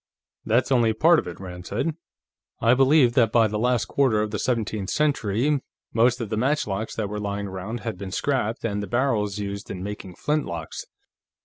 "That's only part of it," Rand said. "I believe that by the last quarter of the seventeenth century, most of the matchlocks that were lying around had been scrapped, and the barrels used in making flintlocks.